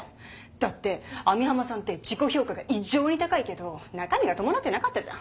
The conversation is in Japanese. だって網浜さんって自己評価が異常に高いけど中身が伴ってなかったじゃん？